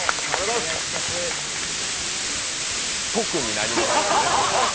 特に何もないんですね。